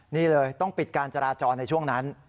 นี่เลยต้องปิดการจราจรในช่วงนั้น